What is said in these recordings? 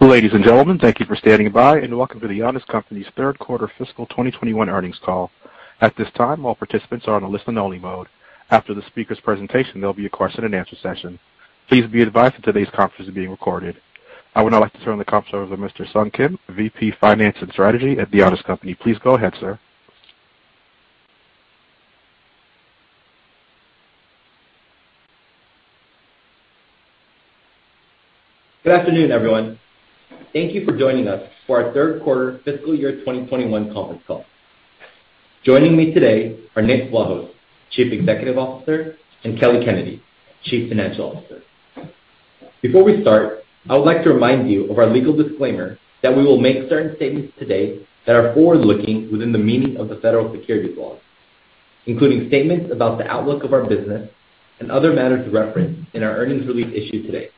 Ladies and gentlemen, thank you for standing by, and welcome to The Honest Company's Third Quarter Fiscal 2021 Earnings Call. At this time, all participants are in a listen-only mode. After the speaker's presentation, there'll be a question and answer session. Please be advised that today's conference is being recorded. I would now like to turn the conference over to Mr. Sung Kim, VP, Finance and Strategy at The Honest Company. Please go ahead, sir. Good afternoon, everyone. Thank you for joining us for our third quarter fiscal year 2021 conference call. Joining me today are Nick Vlahos, Chief Executive Officer, and Kelly Kennedy, Chief Financial Officer. Before we start, I would like to remind you of our legal disclaimer that we will make certain statements today that are forward-looking within the meaning of the federal securities laws, including statements about the outlook of our business and other matters referenced in our earnings release issued today.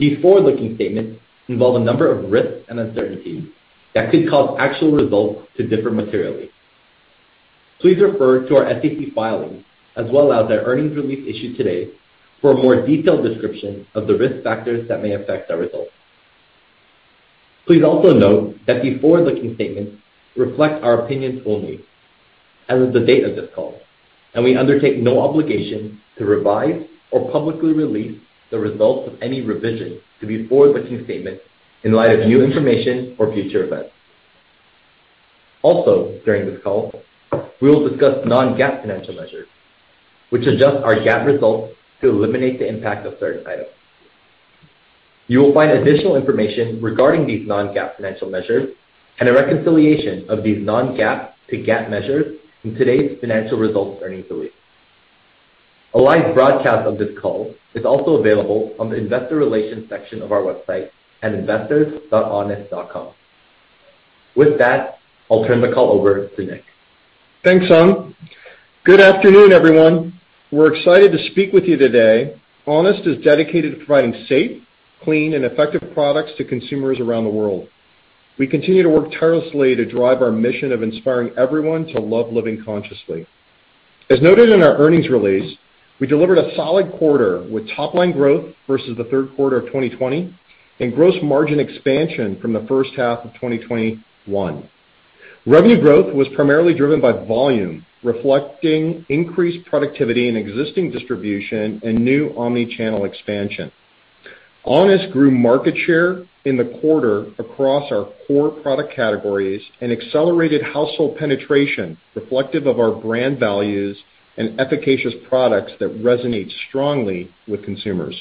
These forward-looking statements involve a number of risks and uncertainties that could cause actual results to differ materially. Please refer to our SEC filings as well as our earnings release issued today for a more detailed description of the risk factors that may affect our results. Please also note that these forward-looking statements reflect our opinions only as of the date of this call, and we undertake no obligation to revise or publicly release the results of any revision to these forward-looking statements in light of new information or future events. Also, during this call, we will discuss non-GAAP financial measures which adjust our GAAP results to eliminate the impact of certain items. You will find additional information regarding these non-GAAP financial measures and a reconciliation of these non-GAAP to GAAP measures in today's financial results earnings release. A live broadcast of this call is also available on the investor relations section of our website at investors.honest.com. With that, I'll turn the call over to Nick. Thanks, Sung. Good afternoon, everyone. We're excited to speak with you today. Honest is dedicated to providing safe, clean, and effective products to consumers around the world. We continue to work tirelessly to drive our mission of inspiring everyone to love living consciously. As noted in our earnings release, we delivered a solid quarter with top line growth versus the third quarter of 2020 and gross margin expansion from the first half of 2021. Revenue growth was primarily driven by volume, reflecting increased productivity in existing distribution and new omni-channel expansion. Honest grew market share in the quarter across our core product categories and accelerated household penetration reflective of our brand values and efficacious products that resonate strongly with consumers.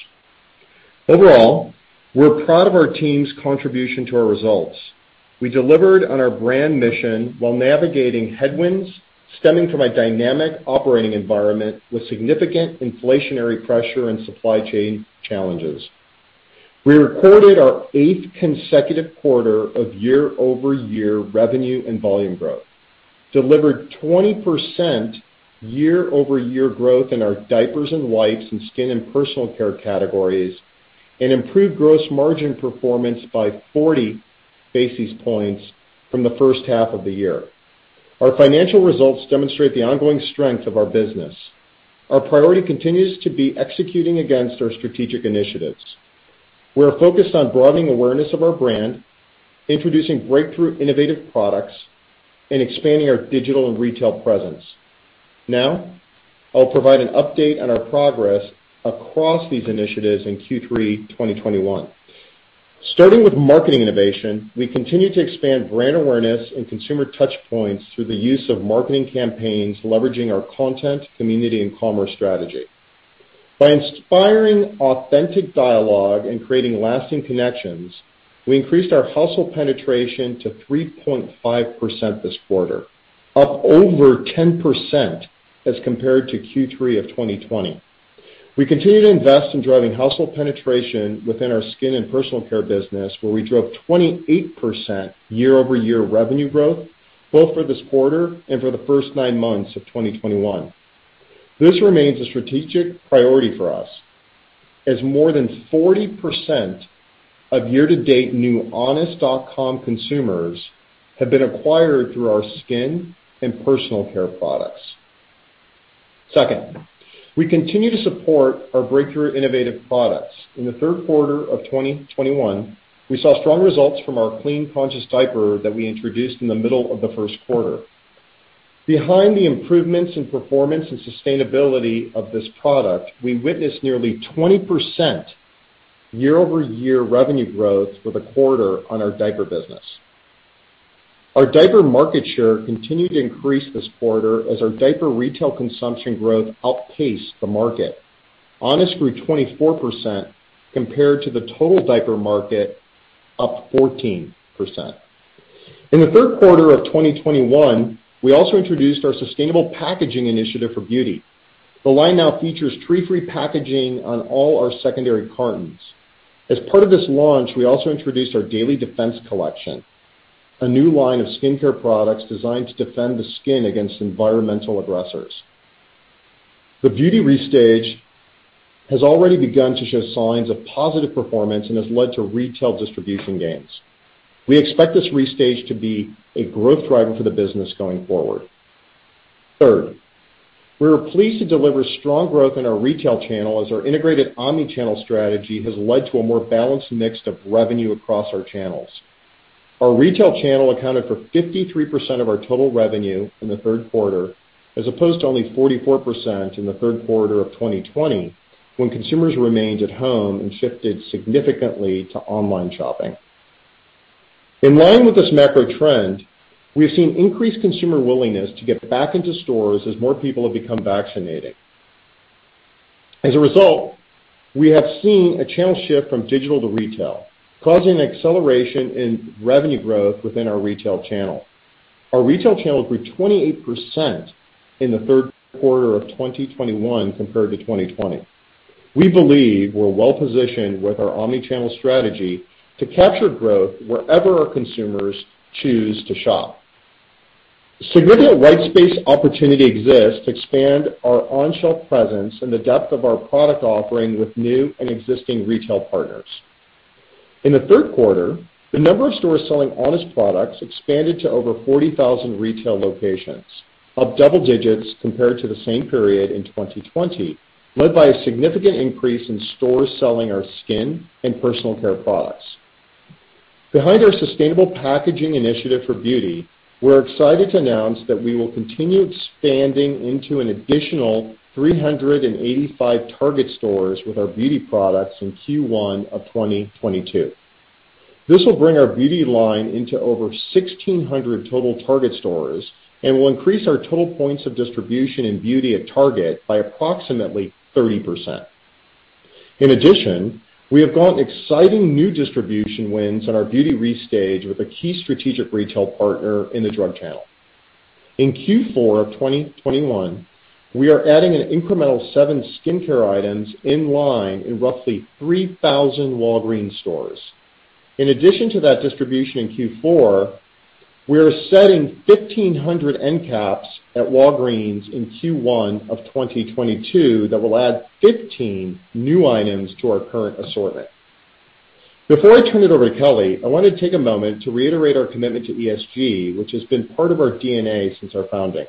Overall, we're proud of our team's contribution to our results. We delivered on our brand mission while navigating headwinds stemming from a dynamic operating environment with significant inflationary pressure and supply chain challenges. We recorded our eighth consecutive quarter of year-over-year revenue and volume growth, delivered 20% year-over-year growth in our diapers and wipes and skin and personal care categories, and improved gross margin performance by 40 basis points from the first half of the year. Our financial results demonstrate the ongoing strength of our business. Our priority continues to be executing against our strategic initiatives. We're focused on broadening awareness of our brand, introducing breakthrough innovative products, and expanding our digital and retail presence. Now, I'll provide an update on our progress across these initiatives in Q3 2021. Starting with marketing innovation, we continue to expand brand awareness and consumer touch points through the use of marketing campaigns, leveraging our content, community, and commerce strategy. By inspiring authentic dialogue and creating lasting connections, we increased our household penetration to 3.5% this quarter, up over 10% as compared to Q3 of 2020. We continue to invest in driving household penetration within our skin and personal care business, where we drove 28% year-over-year revenue growth, both for this quarter and for the first nine months of 2021. This remains a strategic priority for us as more than 40% of year-to-date new honest.com consumers have been acquired through our skin and personal care products. Second, we continue to support our breakthrough innovative products. In the third quarter of 2021, we saw strong results from our Clean Conscious Diaper that we introduced in the middle of the first quarter. Behind the improvements in performance and sustainability of this product, we witnessed nearly 20% year-over-year revenue growth for the quarter on our diaper business. Our diaper market share continued to increase this quarter as our diaper retail consumption growth outpaced the market. Honest grew 24% compared to the total diaper market, up 14%. In the third quarter of 2021, we also introduced our sustainable packaging initiative for beauty. The line now features tree-free packaging on all our secondary cartons. As part of this launch, we also introduced our Daily Defense Collection, a new line of skincare products designed to defend the skin against environmental aggressors. The Beauty restage has already begun to show signs of positive performance and has led to retail distribution gains. We expect this restage to be a growth driver for the business going forward. Third, we were pleased to deliver strong growth in our retail channel as our integrated omni-channel strategy has led to a more balanced mix of revenue across our channels. Our retail channel accounted for 53% of our total revenue in the third quarter, as opposed to only 44% in the third quarter of 2020, when consumers remained at home and shifted significantly to online shopping. In line with this macro trend, we have seen increased consumer willingness to get back into stores as more people have become vaccinated. As a result, we have seen a channel shift from digital to retail, causing an acceleration in revenue growth within our retail channel. Our retail channel grew 28% in the third quarter of 2021 compared to 2020. We believe we're well-positioned with our omni-channel strategy to capture growth wherever our consumers choose to shop. Significant white space opportunity exists to expand our on-shelf presence and the depth of our product offering with new and existing retail partners. In the third quarter, the number of stores selling Honest products expanded to over 40,000 retail locations, up double digits compared to the same period in 2020, led by a significant increase in stores selling our skin and personal care products. Behind our sustainable packaging initiative for beauty, we're excited to announce that we will continue expanding into an additional 385 Target stores with our beauty products in Q1 of 2022. This will bring our beauty line into over 1,600 total Target stores and will increase our total points of distribution in beauty at Target by approximately 30%. In addition, we have gotten exciting new distribution wins on our beauty restage with a key strategic retail partner in the drug channel. In Q4 of 2021, we are adding an incremental seven skincare items in line in roughly 3,000 Walgreens stores. In addition to that distribution in Q4, we are setting 1,500 end caps at Walgreens in Q1 of 2022 that will add 15 new items to our current assortment. Before I turn it over to Kelly, I want to take a moment to reiterate our commitment to ESG, which has been part of our DNA since our founding.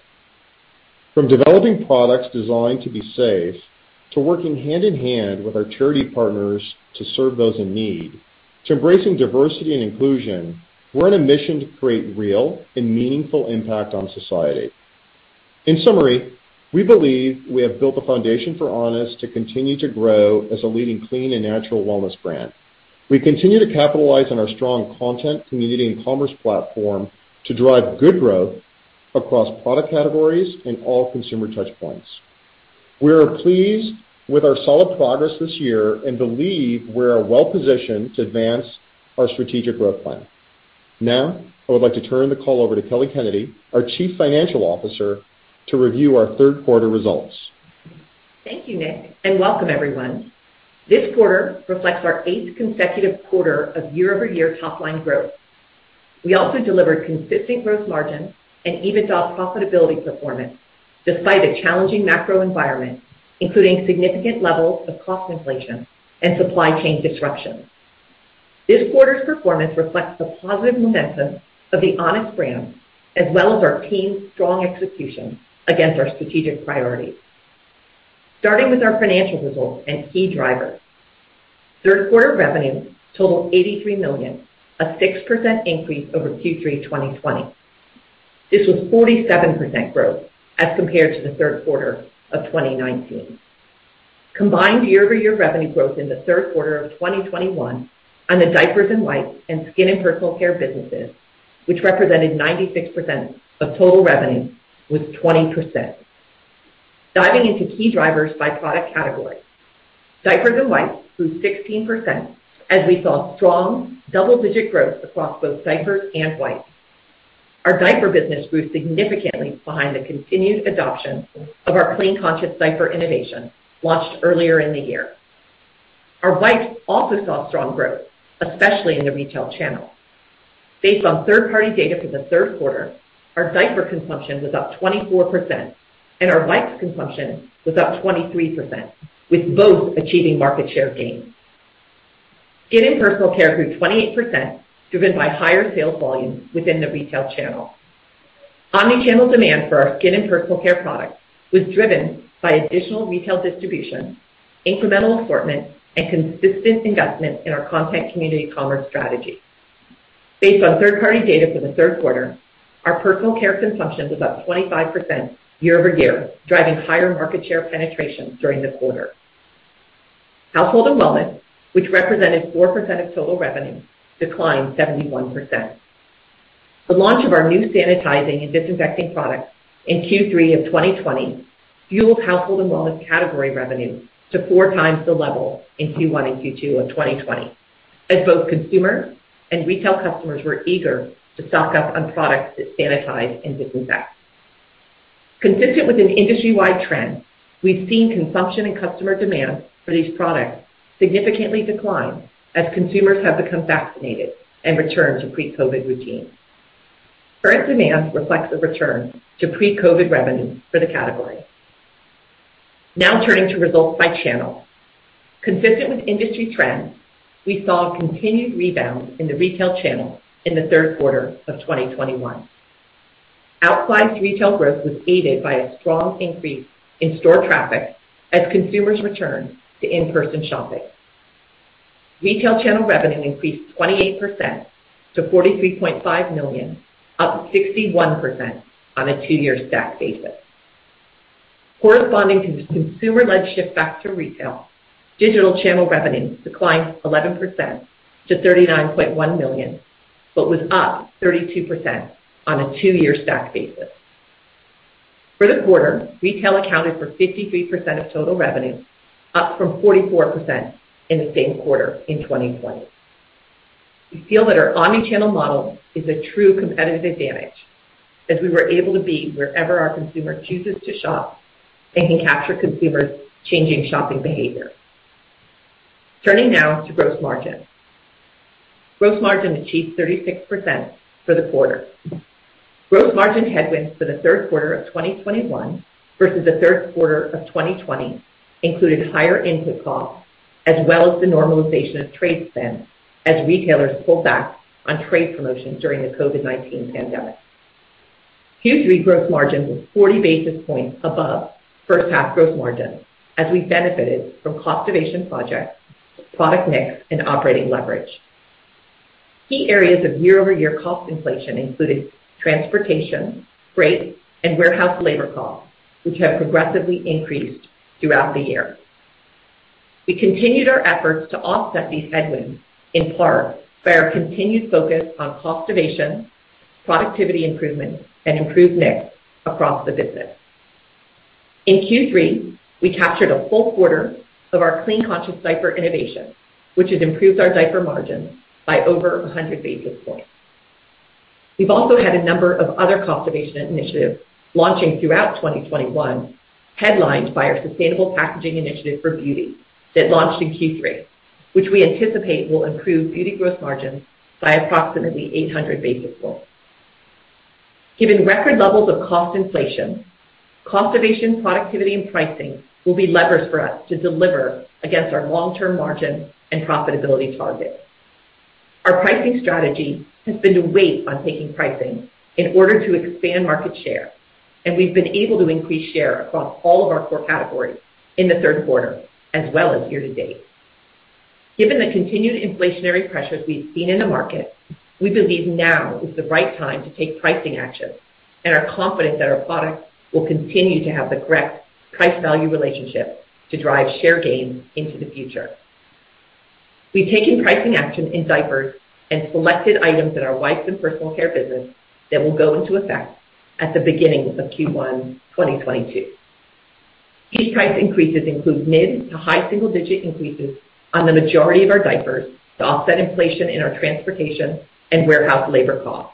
From developing products designed to be safe, to working hand in hand with our charity partners to serve those in need, to embracing diversity and inclusion, we're on a mission to create real and meaningful impact on society. In summary, we believe we have built a foundation for Honest to continue to grow as a leading clean and natural wellness brand. We continue to capitalize on our strong content, community, and commerce platform to drive good growth across product categories and all consumer touch points. We are pleased with our solid progress this year and believe we are well-positioned to advance our strategic growth plan. Now, I would like to turn the call over to Kelly Kennedy, our Chief Financial Officer, to review our third quarter results. Thank you, Nick, and welcome everyone. This quarter reflects our eighth consecutive quarter of year-over-year top line growth. We also delivered consistent gross margin and EBITDA profitability performance despite a challenging macro environment, including significant levels of cost inflation and supply chain disruptions. This quarter's performance reflects the positive momentum of the Honest brand, as well as our team's strong execution against our strategic priorities. Starting with our financial results and key drivers. Third quarter revenue totaled $83 million, a 6% increase over Q3 2020. This was 47% growth as compared to the third quarter of 2019. Combined year-over-year revenue growth in the third quarter of 2021 on the diapers and wipes and skin and personal care businesses, which represented 96% of total revenue, was 20%. Diving into key drivers by product category. Diapers and wipes grew 16% as we saw strong double-digit growth across both diapers and wipes. Our diaper business grew significantly behind the continued adoption of our Clean Conscious Diaper innovation launched earlier in the year. Our wipes also saw strong growth, especially in the retail channel. Based on third-party data for the third quarter, our diaper consumption was up 24% and our wipes consumption was up 23%, with both achieving market share gains. Skin and personal care grew 28%, driven by higher sales volume within the retail channel. Omni-channel demand for our skin and personal care products was driven by additional retail distribution, incremental assortment, and consistent investment in our content community commerce strategy. Based on third-party data for the third quarter, our personal care consumption was up 25% year over year, driving higher market share penetration during the quarter. Household and wellness, which represented 4% of total revenue, declined 71%. The launch of our new sanitizing and disinfecting products in Q3 of 2020 fueled household and wellness category revenue to 4x the level in Q1 and Q2 of 2020, as both consumer and retail customers were eager to stock up on products that sanitize and disinfect. Consistent with an industry-wide trend, we've seen consumption and customer demand for these products significantly decline as consumers have become vaccinated and returned to pre-COVID routines. Current demand reflects a return to pre-COVID revenue for the category. Now turning to results by channel. Consistent with industry trends, we saw a continued rebound in the retail channel in the third quarter of 2021. Outsized retail growth was aided by a strong increase in store traffic as consumers returned to in-person shopping. Retail channel revenue increased 28% to $43.5 million, up 61% on a two-year stack basis. Corresponding to the consumer-led shift back to retail, digital channel revenue declined 11% to $39.1 million, but was up 32% on a two-year stack basis. For the quarter, retail accounted for 53% of total revenue, up from 44% in the same quarter in 2020. We feel that our omni-channel model is a true competitive advantage, as we were able to be wherever our consumer chooses to shop and can capture consumers changing shopping behavior. Turning now to gross margin. Gross margin achieved 36% for the quarter. Gross margin headwinds for the third quarter of 2021 versus the third quarter of 2020 included higher input costs as well as the normalization of trade spend as retailers pulled back on trade promotions during the COVID-19 pandemic. Q3 gross margin was 40 basis points above first half gross margin as we benefited from cost innovation projects, product mix, and operating leverage. Key areas of year-over-year cost inflation included transportation, freight, and warehouse labor costs, which have progressively increased throughout the year. We continued our efforts to offset these headwinds, in part, by our continued focus on cost innovation, productivity improvement, and improved mix across the business. In Q3, we captured a full quarter of our Clean Conscious Diaper innovation, which has improved our diaper margin by over 100 basis points. We've also had a number of other cost innovation initiatives launching throughout 2021, headlined by our sustainable packaging initiative for beauty that launched in Q3, which we anticipate will improve beauty gross margin by approximately 800 basis points. Given record levels of cost inflation, cost innovation, productivity, and pricing will be levers for us to deliver against our long-term margin and profitability targets. Our pricing strategy has been to wait on taking pricing in order to expand market share, and we've been able to increase share across all of our core categories in the third quarter as well as year-to-date. Given the continued inflationary pressures we've seen in the market, we believe now is the right time to take pricing actions, and are confident that our products will continue to have the correct price-value relationship to drive share gains into the future. We've taken pricing action in diapers and selected items in our wipes and personal care business that will go into effect at the beginning of Q1 2022. These price increases include mid- to high single-digit increases on the majority of our diapers to offset inflation in our transportation and warehouse labor costs.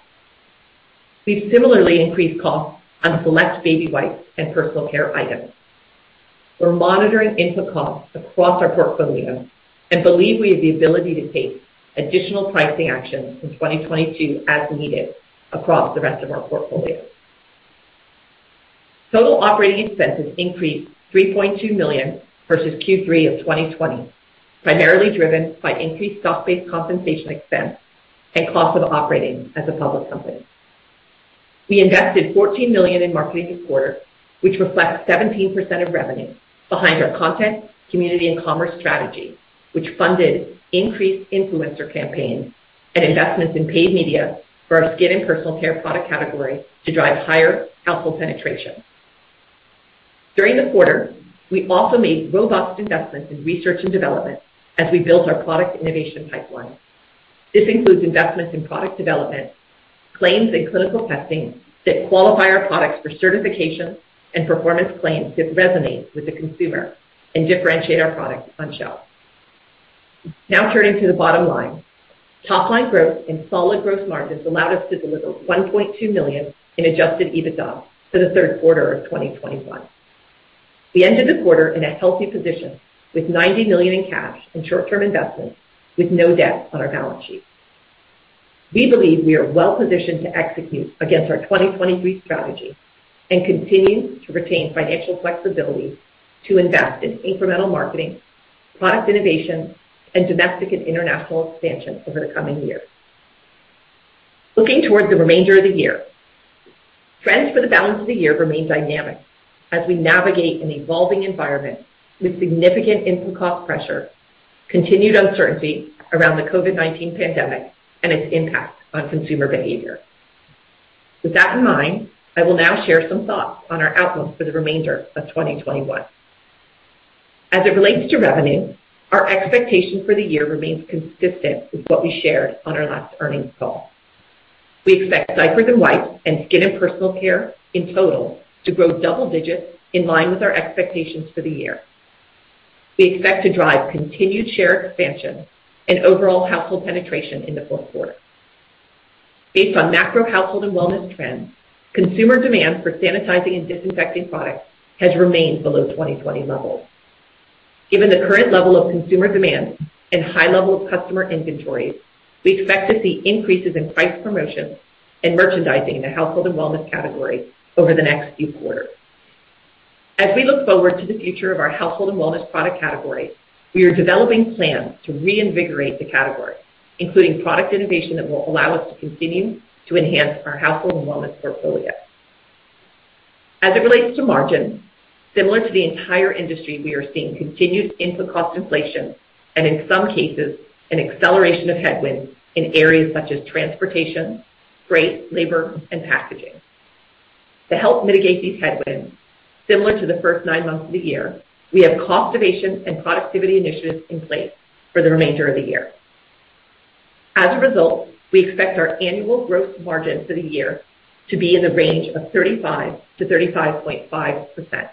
We've similarly increased costs on select baby wipes and personal care items. We're monitoring input costs across our portfolio and believe we have the ability to take additional pricing actions in 2022 as needed across the rest of our portfolio. Total operating expenses increased $3.2 million versus Q3 of 2020, primarily driven by increased stock-based compensation expense and cost of operating as a public company. We invested $14 million in marketing this quarter, which reflects 17% of revenue behind our content, community, and commerce strategy, which funded increased influencer campaigns and investments in paid media for our skin and personal care product category to drive higher household penetration. During the quarter, we also made robust investments in research and development as we built our product innovation pipeline. This includes investments in product development, claims, and clinical testing that qualify our products for certification and performance claims that resonate with the consumer and differentiate our products on shelf. Now turning to the bottom line. Top line growth and solid gross margins allowed us to deliver $1.2 million in adjusted EBITDA for Q3 2021. We ended the quarter in a healthy position with $90 million in cash and short-term investments, with no debt on our balance sheet. We believe we are well-positioned to execute against our Strategy 2023 and continue to retain financial flexibility to invest in incremental marketing, product innovation, and domestic and international expansion over the coming years. Looking towards the remainder of the year, trends for the balance of the year remain dynamic as we navigate an evolving environment with significant input cost pressure, continued uncertainty around the COVID-19 pandemic, and its impact on consumer behavior. With that in mind, I will now share some thoughts on our outlook for the remainder of 2021. As it relates to revenue, our expectation for the year remains consistent with what we shared on our last earnings call. We expect diapers and wipes and skin and personal care in total to grow double digits in line with our expectations for the year. We expect to drive continued share expansion and overall household penetration in the fourth quarter. Based on macro household and wellness trends, consumer demand for sanitizing and disinfecting products has remained below 2020 levels. Given the current level of consumer demand and high level of customer inventories, we expect to see increases in price promotions and merchandising in the household and wellness category over the next few quarters. As we look forward to the future of our household and wellness product category, we are developing plans to reinvigorate the category, including product innovation that will allow us to continue to enhance our household and wellness portfolio. As it relates to margin, similar to the entire industry, we are seeing continued input cost inflation and in some cases, an acceleration of headwinds in areas such as transportation, freight, labor, and packaging. To help mitigate these headwinds, similar to the first nine months of the year, we have cost innovation and productivity initiatives in place for the remainder of the year. As a result, we expect our annual gross margin for the year to be in the range of 35%-35.5%.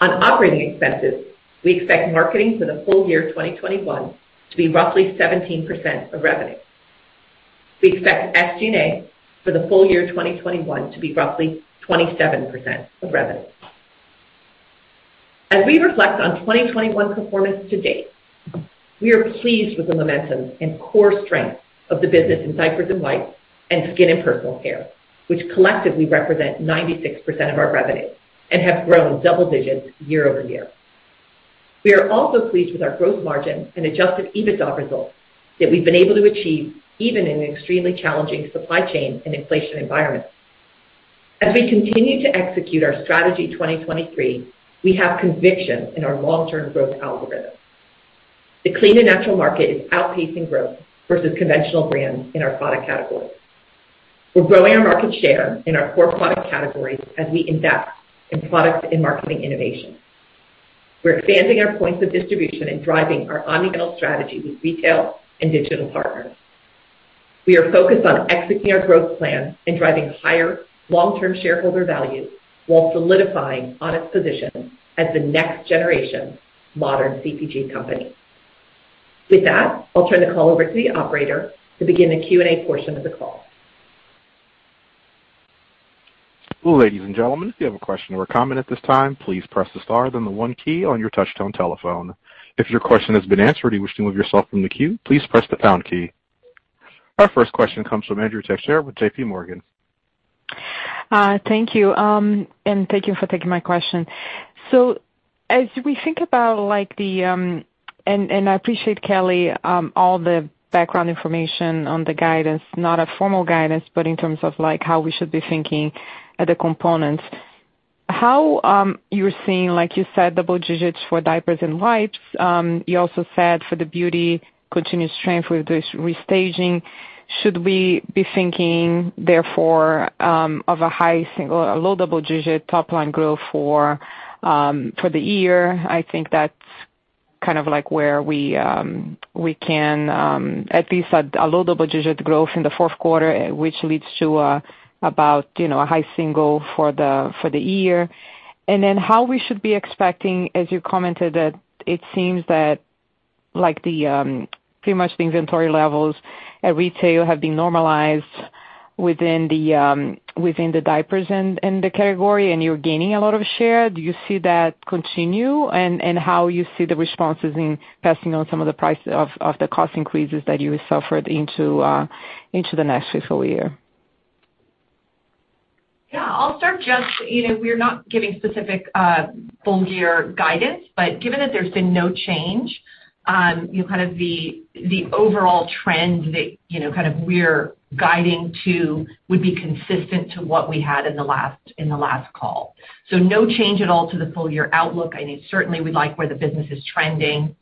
On operating expenses, we expect marketing for the full year 2021 to be roughly 17% of revenue. We expect SG&A for the full year 2021 to be roughly 27% of revenue. As we reflect on 2021 performance to date, we are pleased with the momentum and core strength of the business in diapers and wipes and skin and personal care, which collectively represent 96% of our revenue and have grown double digits year-over-year. We are also pleased with our growth margin and adjusted EBITDA results that we've been able to achieve even in an extremely challenging supply chain and inflation environment. As we continue to execute our Strategy 2023, we have conviction in our long-term growth algorithm. The clean and natural market is outpacing growth versus conventional brands in our product categories. We're growing our market share in our core product categories as we invest in product and marketing innovation. We're expanding our points of distribution and driving our omnichannel strategy with retail and digital partners. We are focused on executing our growth plan and driving higher long-term shareholder value while solidifying Honest's position as the next generation modern CPG company. With that, I'll turn the call over to the operator to begin the Q and A portion of the call. Our first question comes from Andrea Teixeira with J.P. Morgan. Thank you. Thank you for taking my question. I appreciate, Kelly, all the background information on the guidance, not a formal guidance, but in terms of, like, how we should be thinking about the components. How you're seeing, like you said, double digits for diapers and wipes. You also said for the beauty, continuous strength with this restaging. Should we be thinking therefore of a high single or a low double-digit top-line growth for the year? I think that's kind of like where we can at least a low double-digit growth in the fourth quarter, which leads to about, you know, a high single for the year. Then how we should be expecting, as you commented, that it seems that, like, the, pretty much the inventory levels at retail have been normalized within the, within the diapers and the category, and you're gaining a lot of share. Do you see that continue? How you see the responses in passing on some of the price of the cost increases that you suffered into the next fiscal year? Yeah, I'll start just, you know, we are not giving specific full-year guidance, but given that there's been no change, you know, kind of the overall trend that, you know, kind of we're guiding to would be consistent to what we had in the last call. No change at all to the full-year outlook. I mean, certainly we like where the business is trending.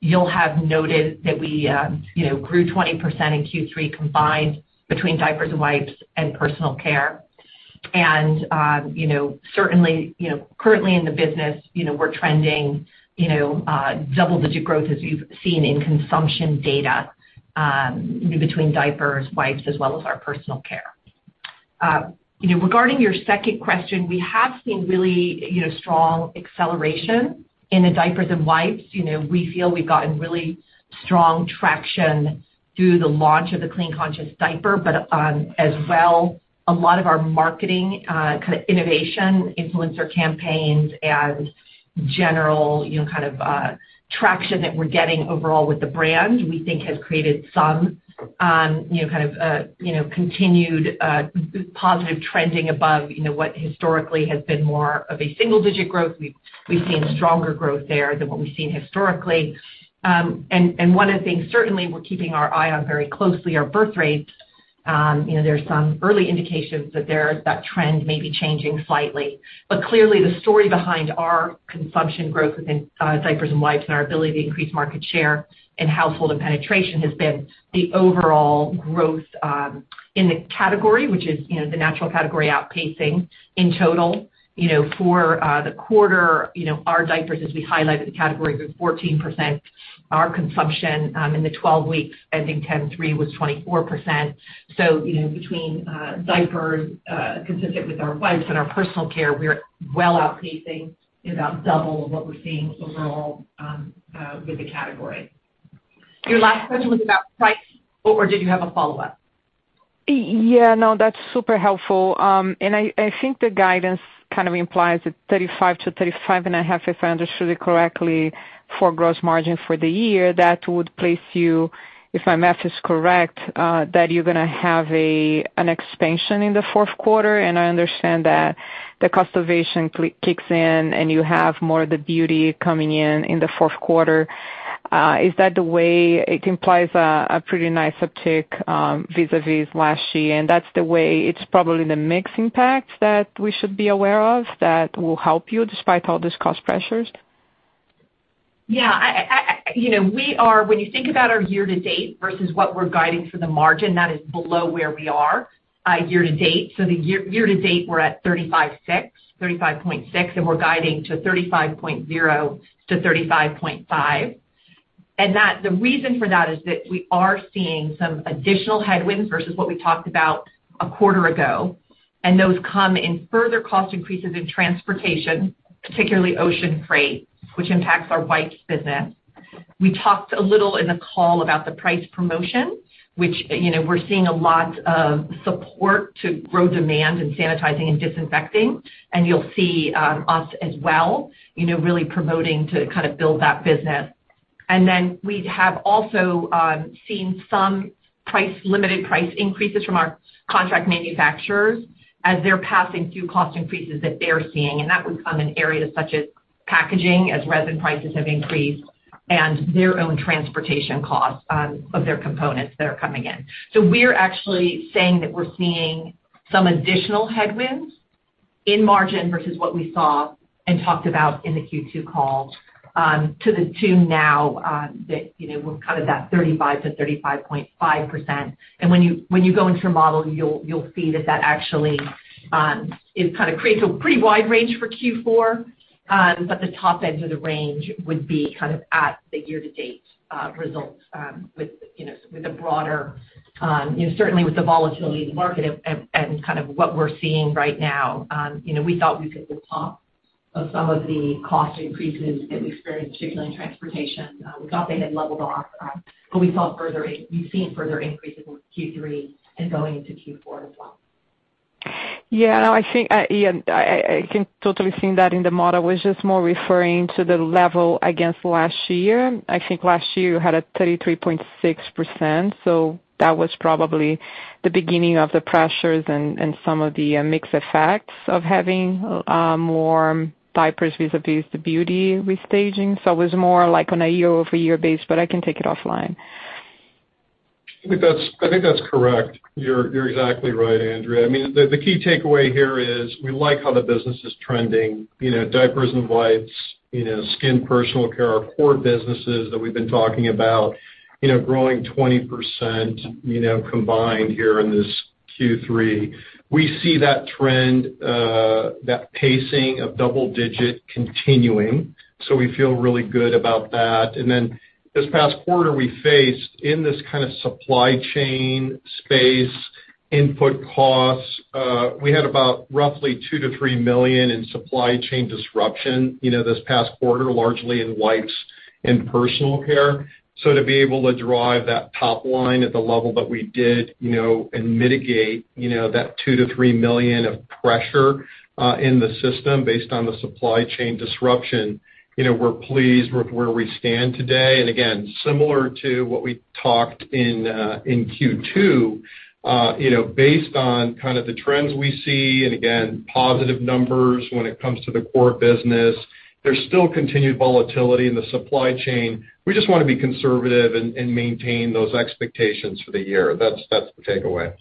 You'll have noted that we, you know, grew 20% in Q3 combined between diapers and wipes and personal care. You know, certainly, you know, currently in the business, you know, we're trending, you know, double-digit growth as you've seen in consumption data, between diapers, wipes, as well as our personal care. You know, regarding your second question, we have seen really, you know, strong acceleration in the diapers and wipes. You know, we feel we've gotten really strong traction through the launch of the Clean Conscious Diapers, but as well, a lot of our marketing kinda innovation influencer campaigns and general, you know, kind of traction that we're getting overall with the brand, we think has created some, you know, kind of continued positive trending above, you know, what historically has been more of a single digit growth. We've seen stronger growth there than what we've seen historically. And one of the things certainly we're keeping our eye on very closely are birth rates. You know, there's some early indications that that trend may be changing slightly. Clearly, the story behind our consumption growth within diapers and wipes and our ability to increase market share in household and penetration has been the overall growth in the category, which is, you know, the natural category outpacing in total. You know, for the quarter, you know, our diapers, as we highlighted, the category grew 14%. Our consumption in the 12 weeks ending 10/3 was 24%. You know, between diapers consistent with our wipes and our personal care, we're well outpacing about double what we're seeing overall with the category. Your last question was about price, or did you have a follow-up? Yeah, no, that's super helpful. I think the guidance kind of implies that 35%-35.5%, if I understood it correctly, for gross margin for the year, that would place you, if my math is correct, that you're gonna have an expansion in the fourth quarter. I understand that the cost savings kicks in and you have more of the beauty coming in in the fourth quarter. Is that the way it implies a pretty nice uptick vis-a-vis last year? That's the way it's probably the mix impact that we should be aware of that will help you despite all these cost pressures? When you think about our year to date versus what we're guiding for the margin, that is below where we are year to date. Year to date, we're at 35.6%, and we're guiding to 35.0%-35.5%. The reason for that is that we are seeing some additional headwinds versus what we talked about a quarter ago, and those come from further cost increases in transportation, particularly ocean freight, which impacts our wipes business. We talked a little in the call about the price promotion, which, you know, we're seeing a lot of support to grow demand in sanitizing and disinfecting, and you'll see us as well, you know, really promoting to kind of build that business. We have also seen some price-limited price increases from our contract manufacturers as they're passing through cost increases that they're seeing, and that would come in areas such as packaging as resin prices have increased and their own transportation costs of their components that are coming in. We're actually saying that we're seeing some additional headwinds in margin versus what we saw and talked about in the Q2 call to now, that, you know, we're kind of that 35%-35.5%. When you go into your model, you'll see that actually it kind of creates a pretty wide range for Q4, but the top edge of the range would be kind of at the year-to-date results, with you know with the broader you know certainly with the volatility in the market and kind of what we're seeing right now. You know, the top of some of the cost increases that we experienced, particularly in transportation, we thought they had leveled off, but we've seen further increases with Q3 and going into Q4 as well. Yeah. No, I think, yeah. I can totally see that in the model. I was just more referring to the level against last year. I think last year you had a 33.6%, so that was probably the beginning of the pressures and some of the mix effects of having more diapers vis-a-vis the beauty restaging. It was more like on a year-over-year basis, but I can takeit offline. I think that's correct. You're exactly right, Andrea. I mean, the key takeaway here is we like how the business is trending. You know, diapers and wipes, you know, skin personal care are core businesses that we've been talking about, you know, growing 20%, you know, combined here in this Q3. We see that trend, that pacing of double-digit continuing, so we feel really good about that. This past quarter we faced, in this kind of supply chain space, input costs, we had about roughly $2 million-$3 million in supply chain disruption, you know, this past quarter, largely in wipes and personal care. To be able to drive that top line at the level that we did, you know, and mitigate, you know, that $2 million-$3 million of pressure in the system based on the supply chain disruption, you know, we're pleased with where we stand today. Again, similar to what we talked in Q2, you know, based on kind of the trends we see, and again, positive numbers when it comes to the core business, there's still continued volatility in the supply chain. We just wanna be conservative and maintain those expectations for the year. That's the takeaway.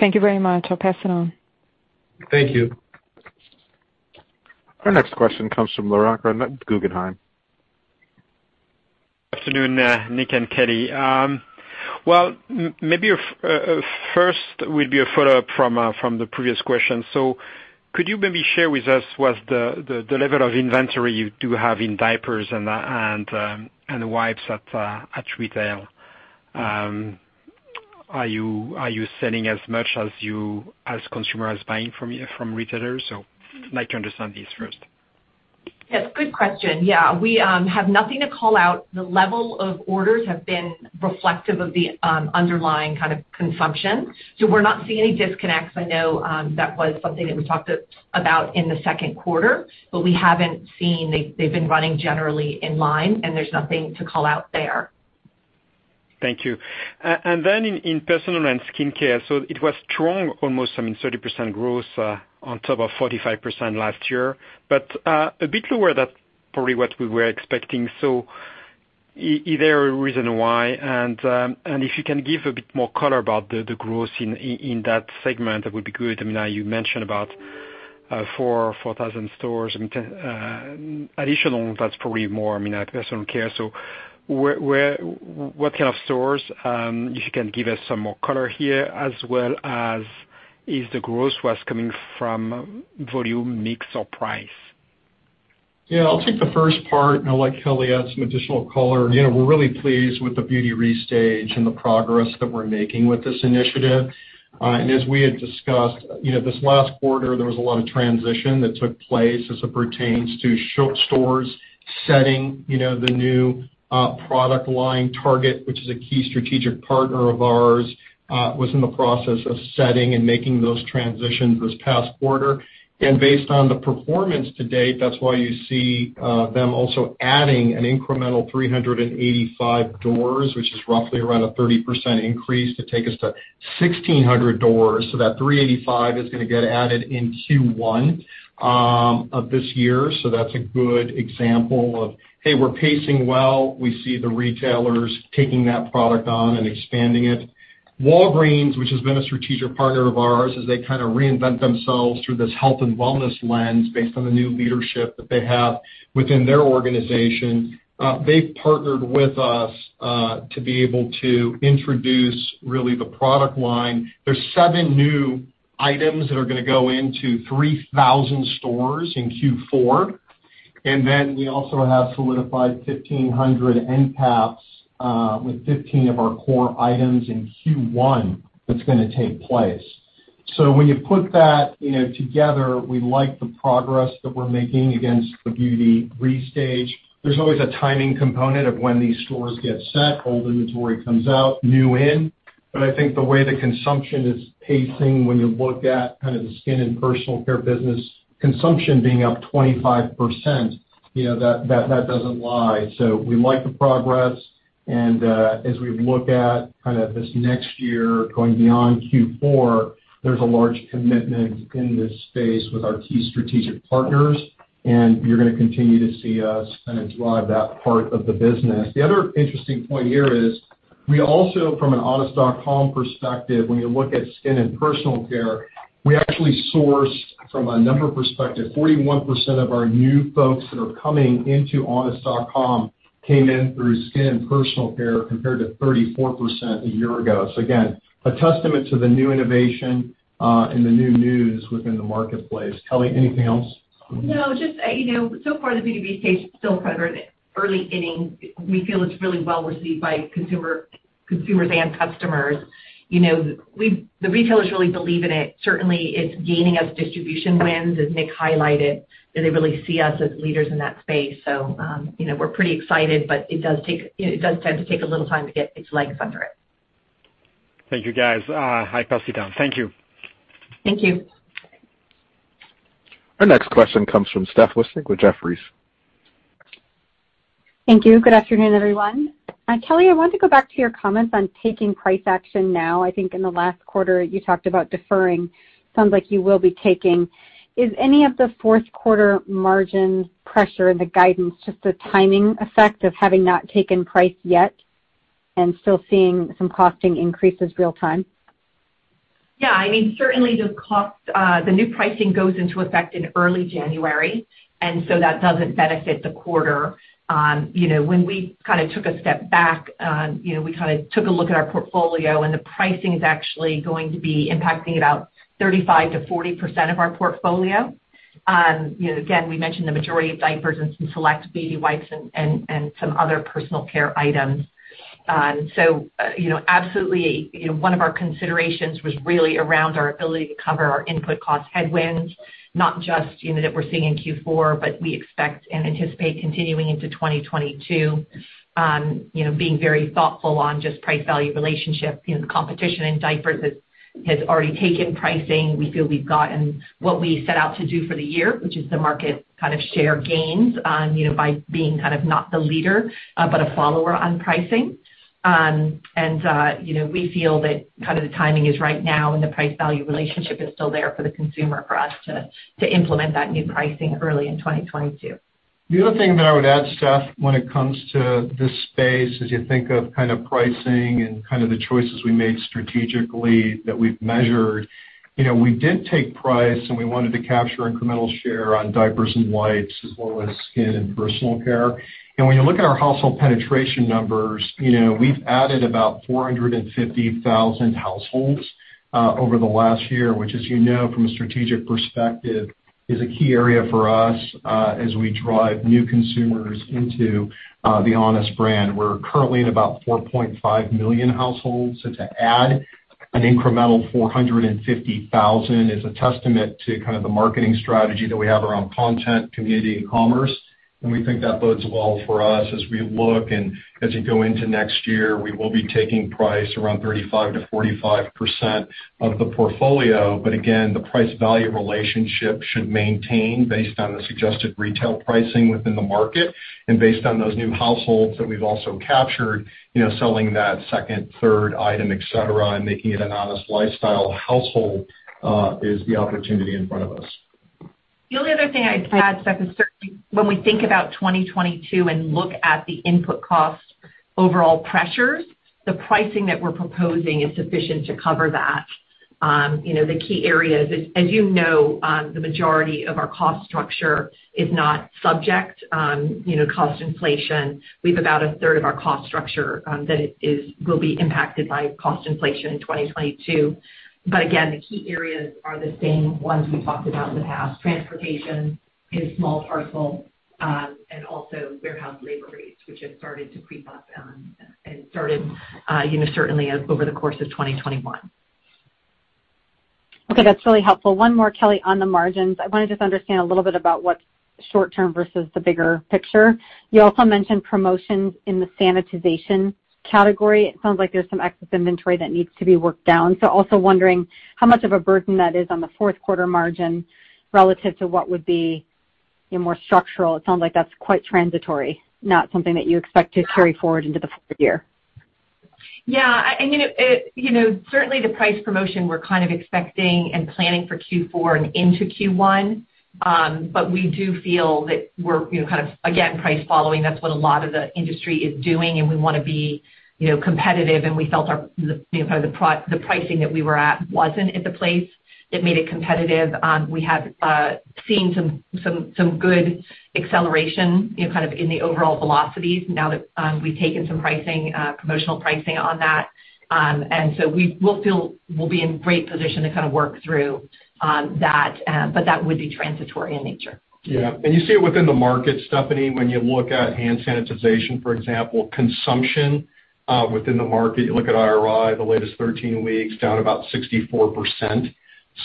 Thank you very much. I'll pass it on. Thank you. Our next question comes from Laurent Grandet of Guggenheim. Good afternoon, Nick and Kelly. Well, maybe first will be a follow-up from the previous question. Could you maybe share with us what's the level of inventory you do have in diapers and wipes at retail? Are you selling as much as consumers buying from you, from retailers? Like to understand this first. Yes, good question. Yeah, we have nothing to call out. The level of orders have been reflective of the underlying kind of consumption. So we're not seeing any disconnects. I know that was something that we talked about in the second quarter, but we haven't seen. They've been running generally in line, and there's nothing to call out there. Thank you. Then in personal and skincare, it was strong, almost I mean 30% growth on top of 45% last year, but a bit lower than probably what we were expecting. Is there a reason why? And if you can give a bit more color about the growth in that segment, that would be good. I mean, now you mentioned about 4,000 stores and 10 additional that's probably more, I mean, like, personal care. Where, what kind of stores, if you can give us some more color here, as well as where the growth was coming from volume mix or price? Yeah. I'll take the first part, and I'll let Kelly add some additional color. You know, we're really pleased with the beauty restage and the progress that we're making with this initiative. As we had discussed, you know, this last quarter, there was a lot of transition that took place as it pertains to stores setting, you know, the new product line at Target, which is a key strategic partner of ours, was in the process of setting and making those transitions this past quarter. Based on the performance to date, that's why you see them also adding an incremental 385 doors, which is roughly around a 30% increase to take us to 1,600 doors. That 385 is gonna get added in Q1 of this year. That's a good example of, hey, we're pacing well, we see the retailers taking that product on and expanding it. Walgreens, which has been a strategic partner of ours as they kind of reinvent themselves through this health and wellness lens based on the new leadership that they have within their organization, they've partnered with us to be able to introduce really the product line. There's seven new items that are gonna go into 3,000 stores in Q4. Then we also have solidified 1,500 NPAPs with 15 of our core items in Q1 that's gonna take place. When you put that, you know, together, we like the progress that we're making against the beauty restage. There's always a timing component of when these stores get set, old inventory comes out, new in. I think the way the consumption is pacing when you look at kind of the skin and personal care business, consumption being up 25%, you know, that doesn't lie. So we like the progress. As we look at kind of this next year, going beyond Q4, there's a large commitment in this space with our key strategic partners, and you're gonna continue to see us kind of drive that part of the business. The other interesting point here is we also, from an honest.com perspective, when you look at skin and personal care, we actually source from a number perspective, 41% of our new folks that are coming into honest.com came in through skin and personal care compared to 34% a year ago. So again, a testament to the new innovation, and the new news within the marketplace. Kelly, anything else? No, just, you know, so far the beauty restage is still kind of in early innings. We feel it's really well received by consumer, consumers and customers. You know, we've the retailers really believe in it. Certainly, it's gaining us distribution wins, as Nick highlighted, that they really see us as leaders in that space. You know, we're pretty excited, but it does take, it does tend to take a little time to get its legs under it. Thank you, guys. I pass it down. Thank you. Thank you. Our next question comes from Steph Wissink with Jefferies. Thank you. Good afternoon, everyone. Kelly, I want to go back to your comments on taking price action now. I think in the last quarter, you talked about deferring. Sounds like you will be taking. Is any of the fourth quarter margin pressure in the guidance just a timing effect of having not taken price yet and still seeing some costing increases real-time? Yeah. I mean, certainly the new pricing goes into effect in early January, and so that doesn't benefit the quarter. You know, when we kind of took a step back, you know, we kind of took a look at our portfolio, and the pricing is actually going to be impacting about 35%-40% of our portfolio. You know, again, we mentioned the majority of diapers and some select beauty wipes and some other personal care items. So, you know, absolutely, you know, one of our considerations was really around our ability to cover our input cost headwinds, not just, you know, that we're seeing in Q4, but we expect and anticipate continuing into 2022, being very thoughtful on just price-value relationship. You know, the competition in diapers has already taken pricing. We feel we've gotten what we set out to do for the year, which is the market kind of share gains, you know, by being kind of not the leader, but a follower on pricing. You know, we feel that kind of the timing is right now and the price value relationship is still there for the consumer for us to implement that new pricing early in 2022. The other thing that I would add, Steph, when it comes to this space, as you think of kind of pricing and kind of the choices we made strategically that we've measured, you know, we did take price, and we wanted to capture incremental share on diapers and wipes as well as skin and personal care. When you look at our household penetration numbers, you know, we've added about 450,000 households over the last year, which, as you know from a strategic perspective, is a key area for us as we drive new consumers into the Honest brand. We're currently at about 4.5 million households, so to add an incremental 450,000 is a testament to kind of the marketing strategy that we have around content, community, and commerce. We think that bodes well for us as we look and as you go into next year, we will be taking price around 35%-45% of the portfolio. But again, the price-value relationship should maintain based on the suggested retail pricing within the market and based on those new households that we've also captured, you know, selling that second, third item, et cetera, and making it an Honest lifestyle household is the opportunity in front of us. The only other thing I'd add, Steph, is certainly when we think about 2022 and look at the input cost overall pressures, the pricing that we're proposing is sufficient to cover that. You know, the key areas, as you know, the majority of our cost structure is not subject to cost inflation. We have about a third of our cost structure that will be impacted by cost inflation in 2022. Again, the key areas are the same ones we've talked about in the past, transportation and small parcel, and also warehouse labor rates, which have started to creep up and started certainly over the course of 2021. Okay, that's really helpful. One more, Kelly, on the margins. I wanna just understand a little bit about what's short term versus the bigger picture. You also mentioned promotions in the sanitization category. It sounds like there's some excess inventory that needs to be worked down. Also wondering how much of a burden that is on the fourth quarter margin relative to what would be, you know, more structural. It sounds like that's quite transitory, not something that you expect to carry forward into the fourth year. Yeah. You know, certainly the price promotion we're kind of expecting and planning for Q4 and into Q1. We do feel that we're, you know, kind of again, price following. That's what a lot of the industry is doing, and we wanna be, you know, competitive, and we felt our, you know, kind of the pricing that we were at wasn't at the place that made it competitive. We have seen some good acceleration, you know, kind of in the overall velocities now that we've taken some pricing, promotional pricing on that. We will feel we'll be in great position to kind of work through that, but that would be transitory in nature. Yeah. You see it within the market, Stephanie, when you look at hand sanitization, for example, consumption within the market. You look at IRI, the latest 13 weeks, down about 64%.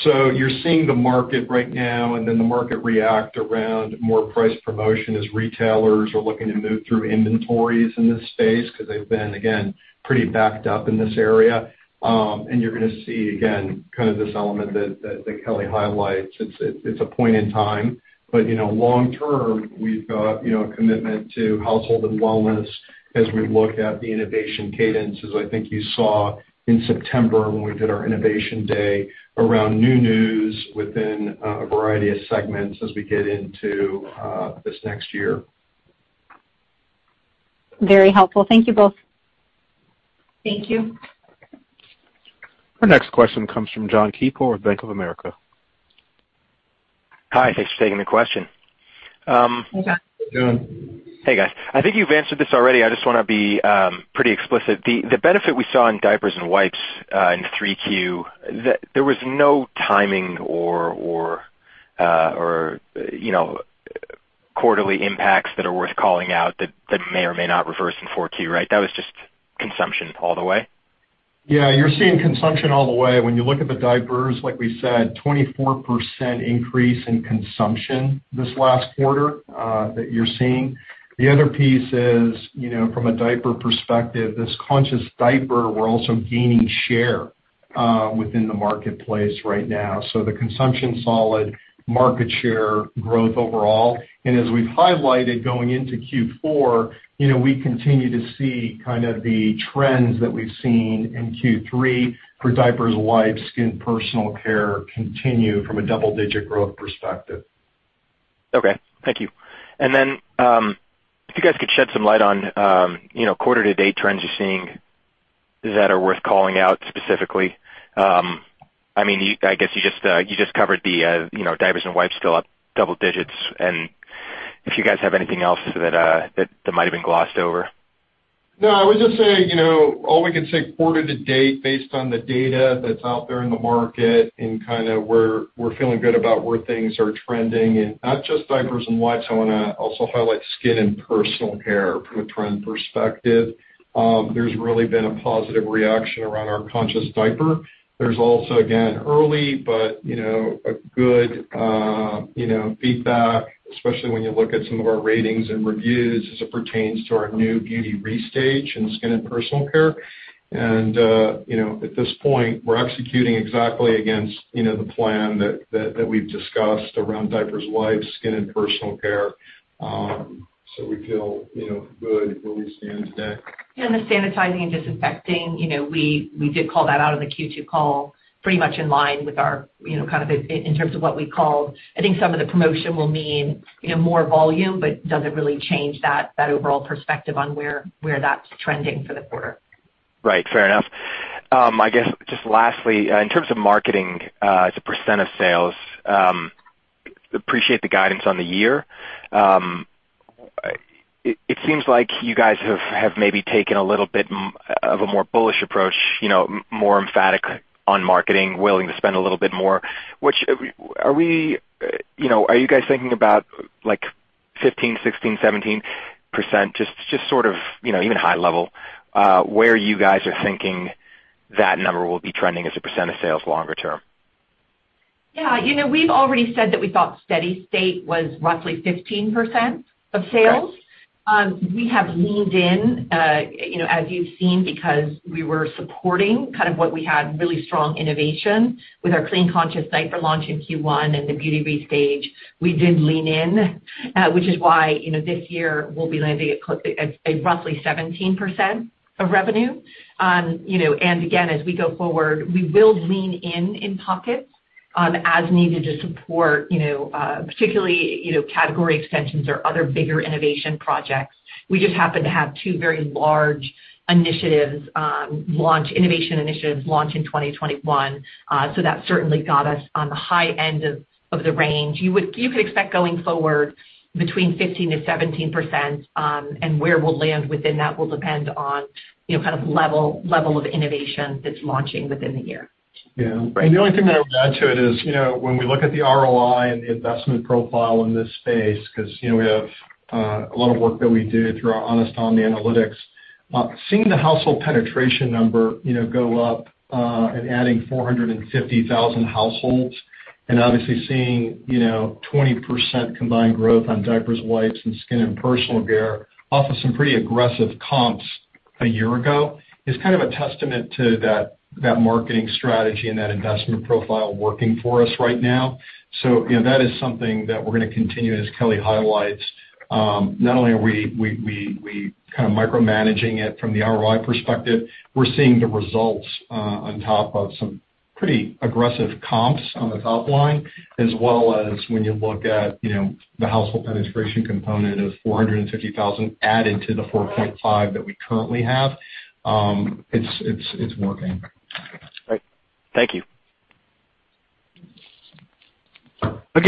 You're seeing the market right now, and then the market react around more price promotion as retailers are looking to move through inventories in this space, 'cause they've been, again, pretty backed up in this area. You're gonna see, again, kind of this element that Kelly highlights. It's a point in time. You know, long term, we've got, you know, a commitment to household and wellness as we look at the innovation cadences I think you saw in September when we did our innovation day around new news within a variety of segments as we get into this next year. Very helpful. Thank you both. Thank you. Our next question comes from Jon Keypour with Bank of America. Hi. Thanks for taking the question. Hey, John. John. Hey, guys. I think you've answered this already. I just wanna be pretty explicit. The benefit we saw in diapers and wipes in Q3, there was no timing or you know quarterly impacts that are worth calling out that may or may not reverse in Q4, right? That was just consumption all the way. Yeah. You're seeing consumption all the way. When you look at the diapers, like we said, 24% increase in consumption this last quarter that you're seeing. The other piece is, you know, from a diaper perspective, this conscious diaper, we're also gaining share within the marketplace right now. The consumption solid, market share growth overall. As we've highlighted going into Q4, you know, we continue to see kind of the trends that we've seen in Q3 for diapers, wipes, skin personal care continue from a double-digit growth perspective. Okay. Thank you. Then, if you guys could shed some light on, you know, quarter to date trends you're seeing that are worth calling out specifically. I mean, I guess you just covered the, you know, diapers and wipes still up double digits. If you guys have anything else that might have been glossed over. No. I would just say, you know, all we can say quarter to date based on the data that's out there in the market and kinda where we're feeling good about where things are trending in not just diapers and wipes. I wanna also highlight skin and personal care from a trend perspective. There's really been a positive reaction around our conscious diaper. There's also, again, early, but, you know, a good, you know, feedback, especially when you look at some of our ratings and reviews as it pertains to our new beauty restage in skin and personal care. You know, at this point, we're executing exactly against, you know, the plan that we've discussed around diapers, wipes, skin and personal care. We feel, you know, good where we stand today. Yeah. The sanitizing and disinfecting, you know, we did call that out on the Q2 call pretty much in line with our, you know, kind of in terms of what we call, I think some of the promotion will mean, you know, more volume, but doesn't really change that overall perspective on where that's trending for the quarter. Right. Fair enough. I guess, just lastly, in terms of marketing, as a percent of sales, appreciate the guidance on the year. It seems like you guys have maybe taken a little bit more of a bullish approach, you know, more emphatic on marketing, willing to spend a little bit more. Are we, you know, are you guys thinking about, like, 15, 16, 17%? Just sort of, you know, even high level, where you guys are thinking that number will be trending as a percent of sales longer term. Yeah. You know, we've already said that we thought steady state was roughly 15% of sales. We have leaned in, you know, as you've seen, because we were supporting kind of what we had really strong innovation with our Clean Conscious diaper launch in Q1 and the beauty restage. We did lean in, which is why, you know, this year we'll be landing at at roughly 17% of revenue. You know, and again, as we go forward, we will lean in in pockets, as needed to support, you know, particularly, you know, category extensions or other bigger innovation projects. We just happen to have two very large initiatives, innovation initiatives launch in 2021. So that certainly got us on the high end of the range. You could expect going forward between 15%-17%, and where we'll land within that will depend on, you know, kind of level of innovation that's launching within the year. Yeah. The only thing that I would add to it is, you know, when we look at the ROI and the investment profile in this space, 'cause, you know, we have a lot of work that we do through our Honest top-down analytics. Well, seeing the household penetration number, you know, go up and adding 450,000 households and obviously seeing, you know, 20% combined growth on diapers, wipes, and skin and personal care, off of some pretty aggressive comps a year ago, is kind of a testament to that marketing strategy and that investment profile working for us right now. You know, that is something that we're gonna continue, as Kelly highlights. Not only are we kind of micromanaging it from the ROI perspective, we're seeing the results on top of some pretty aggressive comps on the top line, as well as when you look at, you know, the household penetration component of 450,000 added to the 4.5 that we currently have, it's working. Great. Thank you. Our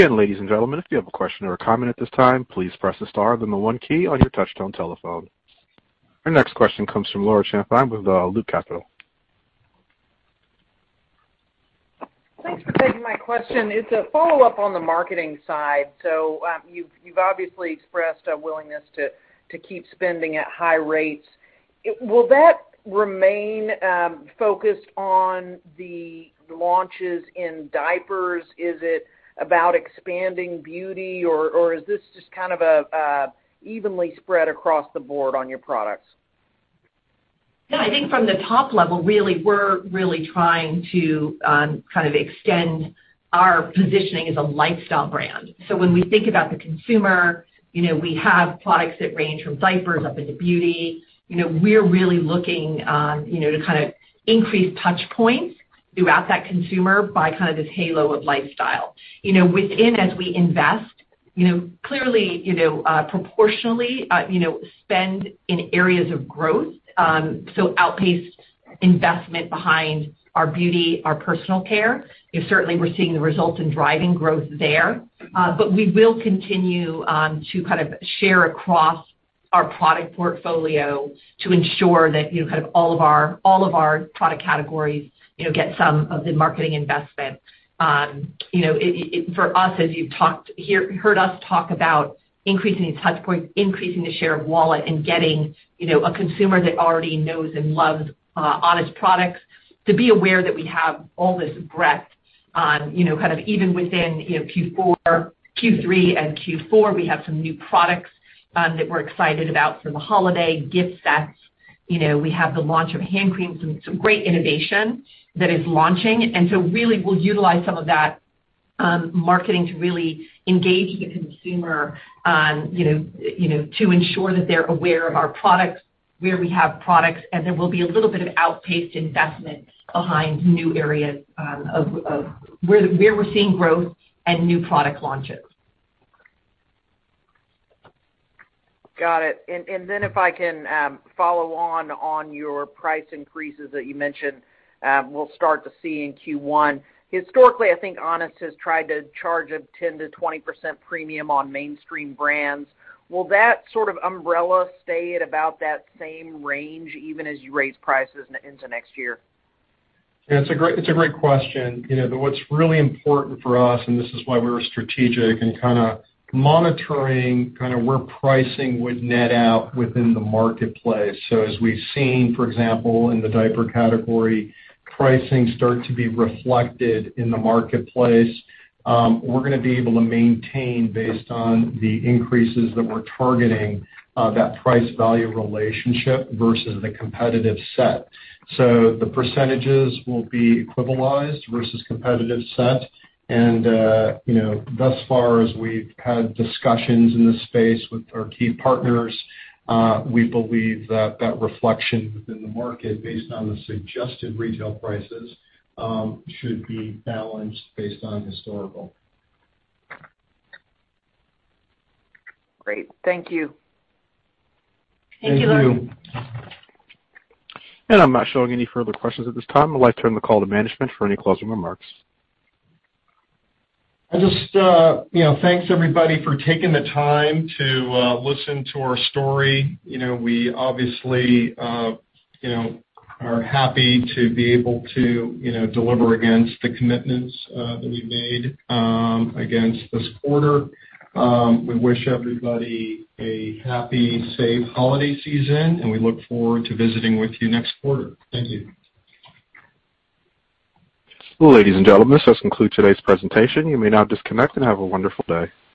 next question comes from Laura Champine with Loop Capital. Thanks for taking my question. It's a follow-up on the marketing side. You've obviously expressed a willingness to keep spending at high rates. Will that remain focused on the launches in diapers? Is it about expanding beauty or is this just kind of evenly spread across the board on your products? No, I think from the top level, really, we're really trying to kind of extend our positioning as a lifestyle brand. When we think about the consumer, you know, we have products that range from diapers up into beauty. You know, we're really looking, you know, to kinda increase touch points throughout that consumer by kind of this halo of lifestyle. You know, within, as we invest, you know, clearly, you know, proportionally, you know, spend in areas of growth, so outpaced investment behind our beauty, our personal care. You know, certainly we're seeing the results in driving growth there. But we will continue to kind of share across our product portfolio to ensure that, you know, kind of all of our product categories, you know, get some of the marketing investment. You know, for us, as you've heard us talk about increasing the touch points, increasing the share of wallet, and getting, you know, a consumer that already knows and loves Honest products to be aware that we have all this breadth, you know, kind of even within, you know, Q3 and Q4, we have some new products that we're excited about for the holiday gift sets. You know, we have the launch of hand creams and some great innovation that is launching. Really we'll utilize some of that marketing to really engage the consumer on, you know, to ensure that they're aware of our products, where we have products, and there will be a little bit of outpaced investment behind new areas of where we're seeing growth and new product launches. Got it. If I can follow on your price increases that you mentioned, we'll start to see in Q1. Historically, I think Honest has tried to charge a 10%-20% premium on mainstream brands. Will that sort of umbrella stay at about that same range even as you raise prices into next year? Yeah, it's a great question. You know, what's really important for us, and this is why we're strategic and kinda monitoring kind of where pricing would net out within the marketplace. As we've seen, for example, in the diaper category, pricing start to be reflected in the marketplace, we're gonna be able to maintain based on the increases that we're targeting, that price value relationship versus the competitive set. The percentages will be equivalized versus competitive set. You know, thus far as we've had discussions in this space with our key partners, we believe that that reflection within the market based on the suggested retail prices, should be balanced based on historical. Great. Thank you. Thank you, Laura. Thank you. I'm not showing any further questions at this time. I'd like to turn the call to management for any closing remarks. I just, you know, thanks, everybody, for taking the time to listen to our story. You know, we obviously, you know, are happy to be able to, you know, deliver against the commitments that we made against this quarter. We wish everybody a happy, safe holiday season, and we look forward to visiting with you next quarter. Thank you. Well, ladies and gentlemen, this concludes today's presentation. You may now disconnect and have a wonderful day.